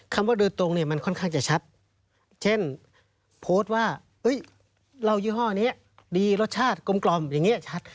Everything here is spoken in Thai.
คำว่าโดยตรงเนี่ยมันค่อนข้างจะชัดเช่นโพสต์ว่าเรายี่ห้อนี้ดีรสชาติกลมอย่างนี้ชัด